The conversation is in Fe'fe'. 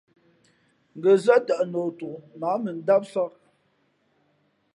Ngα̌ zά tαʼ noʼ tok mα ǎ mʉndámsāk.